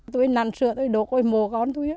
tôi nằn sữa tôi đổ côi mồ con tôi